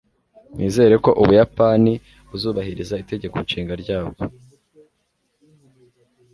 Nizere ko Ubuyapani buzubahiriza Itegeko Nshinga ryabwo